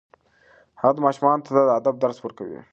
هغه ماشومانو ته د ادب درس ورکوي.